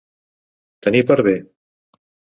Tenir per bé.